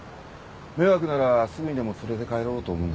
迷惑ならすぐにでも連れて帰ろうと思うんだけど。